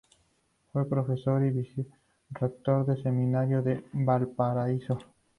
Fue profesor y vicerrector del Seminario de Valparaíso.